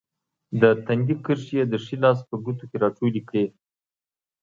د تندي کرښې یې د ښي لاس په ګوتو کې راټولې کړې.